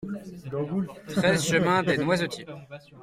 treize chemin Dès Noisetiers